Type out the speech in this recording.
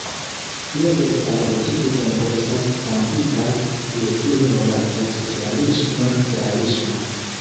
Lia verkado de tiu tempo estas stampita de stilo nomata socialisma realismo.